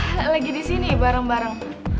tante lagi disini bareng bareng